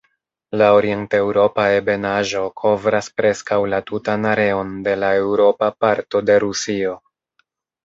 La orienteŭropa ebenaĵo kovras preskaŭ la tutan areon de la eŭropa parto de Rusio.